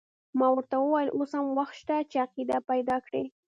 ما ورته وویل اوس هم وخت شته چې عقیده پیدا کړې.